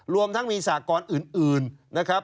รวมทั้งมีสหกรณ์อื่น